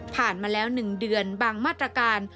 มาแล้ว๑เดือนบางมาตรการ